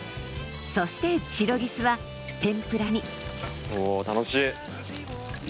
そしてシロギスは天ぷらにおぉ楽しい。